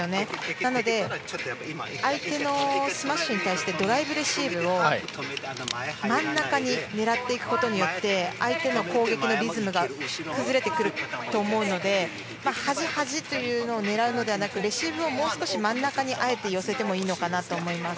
なので相手のスマッシュに対してドライブレシーブを真ん中に狙っていくことによって相手の攻撃のリズムが崩れてくると思うので端、端というのを狙うのではなくてレシーブをもう少し真ん中にあえて寄せてもいいのかなと思います。